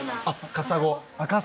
カサゴ。